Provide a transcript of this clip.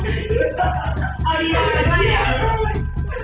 สวัสดีครับวันนี้เราจะกลับมาเมื่อไหร่